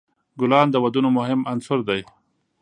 ګلان د ودونو مهم عنصر دی.